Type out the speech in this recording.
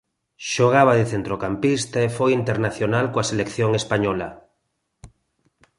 Xogaba de centrocampista e foi internacional coa selección española.